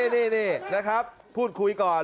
นี่นะครับพูดคุยก่อน